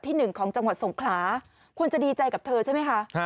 หนึ่งของจังหวัดสงขลาควรจะดีใจกับเธอใช่ไหมคะ